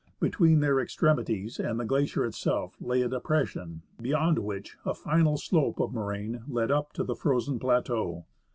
Between their extremities and the glacier itself lay a depression, beyond which a final slope of moraine led up to the frozen plateau.